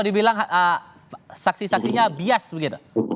dibilang saksi saksinya bias begitu